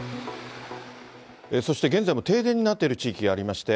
そして現在も停電になっている地域がありまして。